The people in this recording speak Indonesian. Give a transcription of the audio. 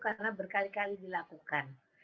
karena berkali kali dilakukan